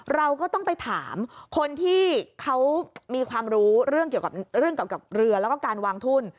เราก็ต้องไปถามคนที่เขามีความรู้เรื่องเกี่ยวกับเรือแล้วก็การวางทุน